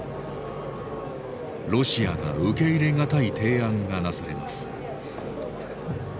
ロシアが受け入れ難い提案がなされます。